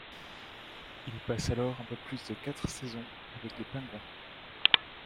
Il passe alors un peu plus de quatre saisons avec les Penguins.